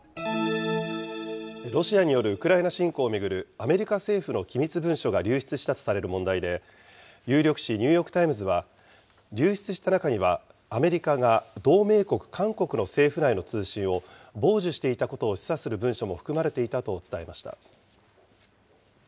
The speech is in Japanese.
ロシアによるウクライナ侵攻を巡るアメリカ政府の機密文書が流出したとされる問題で、有力紙、ニューヨーク・タイムズは、流出した中にはアメリカが同盟国、韓国の政府内の通信を傍受していたことを示唆する文書も含まれていたと伝えました。